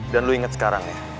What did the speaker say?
dan lu inget sekarang ya